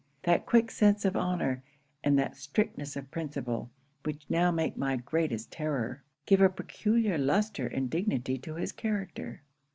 That quick sense of honour, and that strictness of principle, which now make my greatest terror, give a peculiar lustre and dignity to his character.